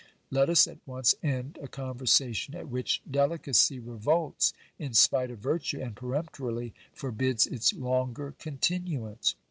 Let us at once end a conversation at which delicacy revolts in spite of virtue, and peremptorily forbids its longer continuance.